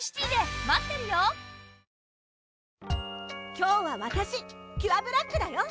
今日はわたしキュアブラックだよ！